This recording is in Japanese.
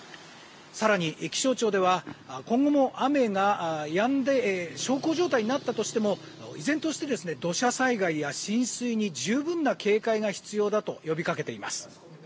更に、気象庁では今後も雨がやんで小康状態になったとしても依然として土砂災害や浸水に十分な警戒が必要だと呼びかけています。